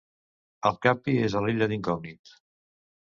El Capi és a l'illa d'incògnit.